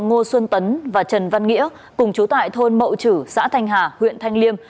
ngô xuân tấn và trần văn nghĩa cùng chú tại thôn mậu chử xã thanh hà huyện thanh liêm